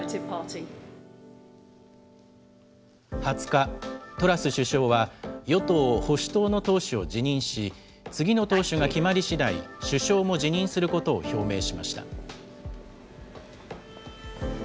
２０日、トラス首相は与党・保守党の党首を辞任し、次の党首が決まりしだい、首相も辞任することを表明しました。